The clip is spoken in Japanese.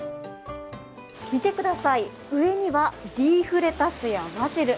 見てください、上にはリーフレタスやバジル。